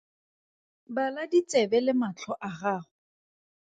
Bala ditsebe le matlho a gago.